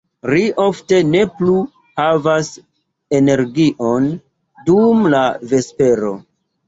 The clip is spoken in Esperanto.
Ri ofte ne plu havas energion dum la vespero.